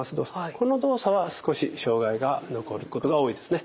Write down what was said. この動作は少し障害が残ることが多いですね。